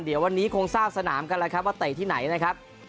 เดี๋ยววันนี้คงทราบสนามกันแล้วครับว่าเตะที่ไหนนะครับ